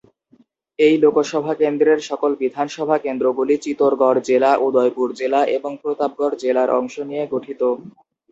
এই লোকসভা কেন্দ্রের সকল বিধানসভা কেন্দ্রগুলি চিতোরগড় জেলা, উদয়পুর জেলা এবং প্রতাপগড় জেলার অংশ নিয়ে গঠিত।